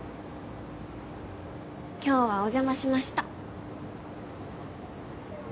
今日はおじゃましました。